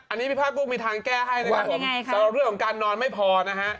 อันนี้พิพาตกุ๊บมีทางแก้ให้สำเร็จของการนอนไม่พอนะฮะ